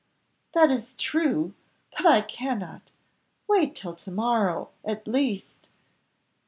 "That is true; but I cannot wait till to morrow, at least."